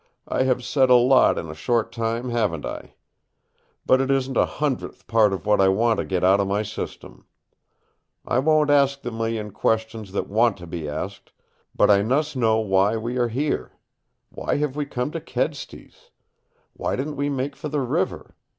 "I have said a lot in a short time, haven't I? But it isn't a hundredth part of what I want to get out of my system. I won't ask the million questions that want to be asked. But I must know why we are here. Why have we come to Kedsty's? Why didn't we make for the river?